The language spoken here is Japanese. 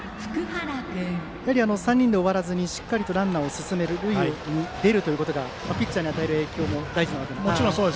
やはり３人で終わらずしっかりランナーを進めて塁に出るということがピッチャーに与える影響も大事なわけですね。